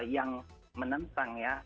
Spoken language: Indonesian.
yang menentang ya